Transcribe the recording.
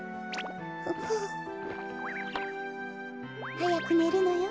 はやくねるのよ。